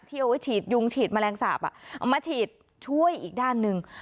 เอาไว้ฉีดยุงฉีดแมลงสาปเอามาฉีดช่วยอีกด้านหนึ่ง